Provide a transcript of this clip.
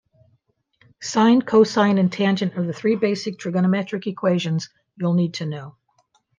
Sine, cosine and tangent are three basic trigonometric equations you'll need to know.